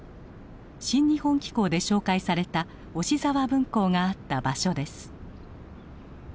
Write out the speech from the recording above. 「新日本紀行」で紹介された雄子沢分校があった場所です。